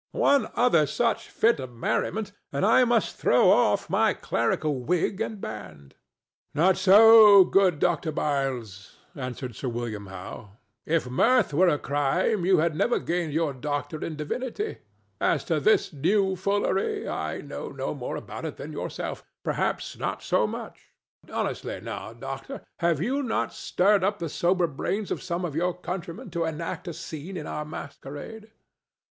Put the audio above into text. One other such fit of merriment, and I must throw off my clerical wig and band." "Not so, good Dr. Byles," answered Sir William Howe; "if mirth were a crime, you had never gained your doctorate in divinity. As to this new foolery, I know no more about it than yourself—perhaps not so much. Honestly, now, doctor, have you not stirred up the sober brains of some of your countrymen to enact a scene in our masquerade?"